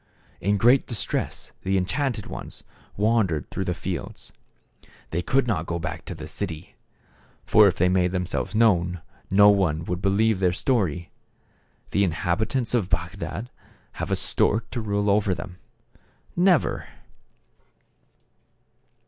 In great dis tress the enchanted ones wandered through the fields. They could not go back to the city. For if they made themselves known, no one would believe their story. The inhabitants of Bagdad have a stork to rule over them ? Never